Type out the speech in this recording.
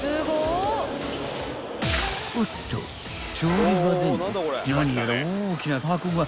［おっと調理場でも何やら大きな箱が］